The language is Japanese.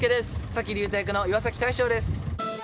佐木竜太役の岩崎大昇です。